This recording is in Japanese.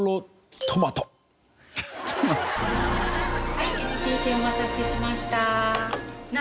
はいＮＴＴお待たせしました。